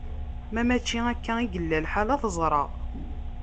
Ma mačči akka i yella lḥal, ad t-ẓreɣ.